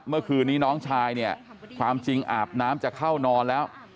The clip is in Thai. เมื่อคืนนี้น้องชายเนี่ยความจริงอาบน้ำจะเข้านอนแล้ว